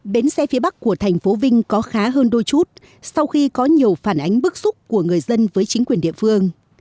bến xe phía bắc của thành phố vinh có khá hơn đôi chút sau khi có nhiều phản ánh bức xúc của người dân với chính quyền địa phương